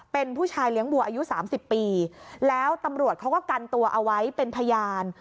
เป็นผู้ชายเลี้ยงวัวอายุ๓๐ปีแล้วตำรวจเขาก็กันตัวเอาไว้เป็นพยาน